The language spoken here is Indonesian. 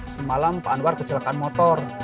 semalam pak anwar kecelakaan motor